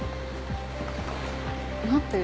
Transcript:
待って。